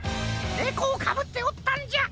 ネコをかぶっておったんじゃ！